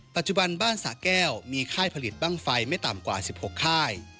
ปัจจุบันบ้านสะแก้วมีค่ายผลิตบ้างไฟไม่ต่ำกว่า๑๖ค่าย